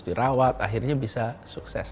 dirawat akhirnya bisa sukses